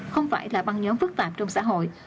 không phải là băng nhóm phức tạp trong xã hội